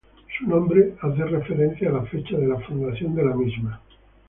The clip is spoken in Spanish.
Su nombre hace referencia a la fecha de la fundación de la misma.